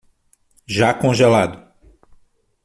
Já congelado